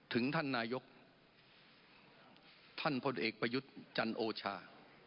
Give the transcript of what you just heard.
ถึงท่านนายกท่านพลเอกประยุทธ์จันโอชา